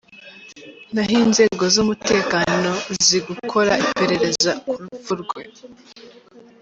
Naho inzego z’umutekano zi gukora iperereza ku rupfu rwe.